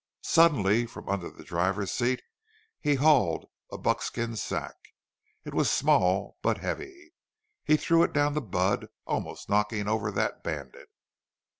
Suddenly from under the driver's seat he hauled a buckskin sack. It was small, but heavy. He threw it down to Budd, almost knocking over that bandit.